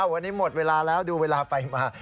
วันนี้หมดเวลาแล้วดูเวลาไปมา